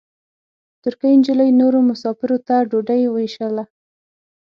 ترکۍ نجلۍ نورو مساپرو ته ډوډۍ وېشله.